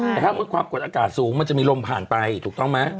แต่ถ้าความกดอากาศสูงมันจะมีลมผ่านไปถูกต้องไหม